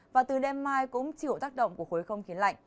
và từ đêm mai cũng chịu tác động của khối không khí lạnh